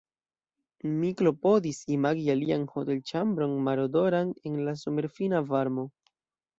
Mi klopodis imagi alian hotelĉambron, marodoran, en la somerfina varmo.